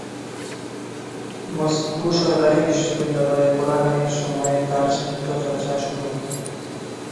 Moscow সরকারী বিশ্ববিদ্যালয়ে পড়াকালীন সময়ে তার সাহিত্যচর্চা শুরু।